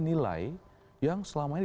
nilai yang selama ini